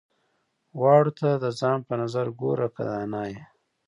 واړو ته د ځان په نظر ګوره که دانا يې.